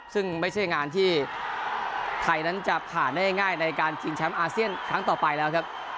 ซึ่งไม่ใช่งานที่ไทยนั้นจะผ่านได้ง่ายในการชิงแชมป์อาเซียนครั้งต่อไปแล้วครับ